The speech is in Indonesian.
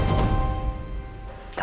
tunggu aku mau ke kamar